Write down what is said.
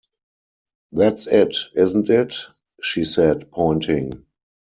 “That’s it, isn’t it?” she said, pointing.